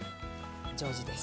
上手です。